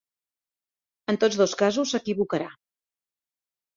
En tots dos casos s'equivocarà.